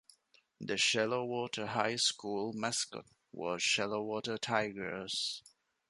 The Shallow Water High School mascot was Shallow Water Tigers.